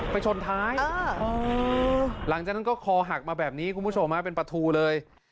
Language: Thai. ชนท้ายหลังจากนั้นก็คอหักมาแบบนี้คุณผู้ชมเป็นประตูเลย